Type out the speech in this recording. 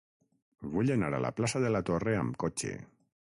Vull anar a la plaça de la Torre amb cotxe.